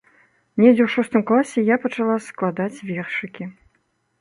Недзе ў шостым класе я пачала складаць вершыкі.